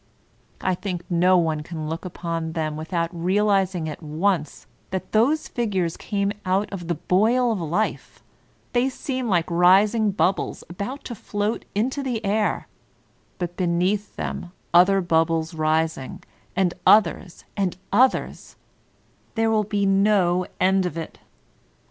I think no one can look upon them without realizing at once that those figures came out of the boil of life; they seem like rising bubbles about to float into the air, but be neath them other bubbles rising, and others, and others, — there will be no end of it.